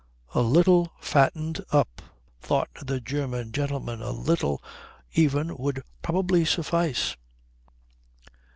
"A little fattened up," thought the German gentleman; "a little even would probably suffice."